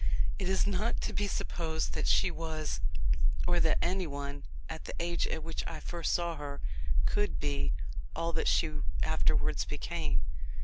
It is not to be supposed that she was, or that any one, at the age at which I first saw her, could be, all that she afterwards became.